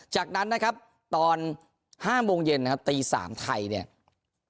จากนั้นนะครับตอน๕โมงเย็นนะครับตี๓ไทยเนี่ย